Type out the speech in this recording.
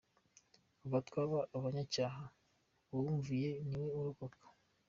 Kuva twaba abanyacyaha, uwumviye niwe urokoka.